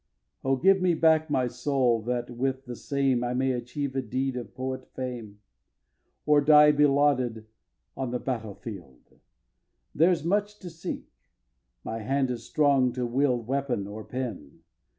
xvi. Oh, give me back my soul that with the same I may achieve a deed of poet fame, Or die belauded on the battle field! There's much to seek. My hand is strong to wield Weapon or pen.